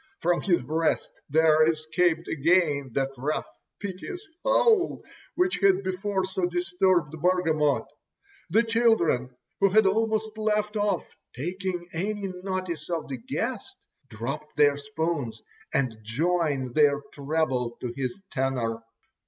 From his breast there escaped again that rough, piteous howl, which had before so disturbed Bargamot. The children, who had almost left off taking any notice of the guest, dropped their spoons and joined their treble to his tenor.